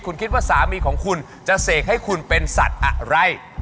คุณคิดว่าสามีของคุณจะเสกให้คุณเป็นสัตว์อะไร